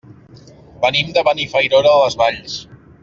Venim de Benifairó de les Valls.